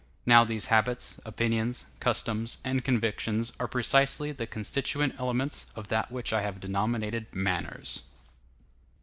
Now these habits, opinions, customs, and convictions are precisely the constituent elements of that which I have denominated manners.